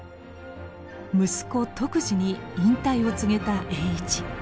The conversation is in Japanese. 息子篤二に引退を告げた栄一。